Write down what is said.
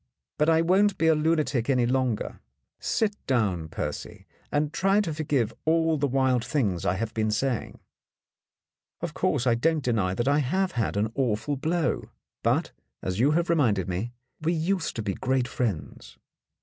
But I won't be a lunatic any longer. Sit down, Percy, and try to forgive all the wild things I have been saying. Of course, I don't deny that I have had an awful blow. But, as you have reminded me, we used to be great friends.